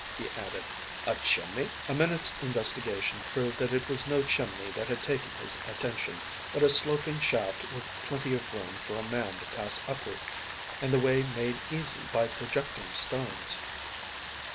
he added "A chimney?" A minute's investigation proved that it was no chimney that had taken his attention, but a sloping shaft with plenty of room for a man to pass upward, and the way made easy by projecting stones.